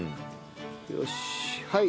よしはい。